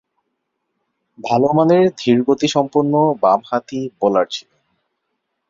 ভালোমানের ধীরগতিসম্পন্ন বামহাতি বোলার ছিলেন।